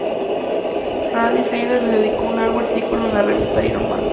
Peary Reader les dedicó un largo artículo en la revista Iron Man.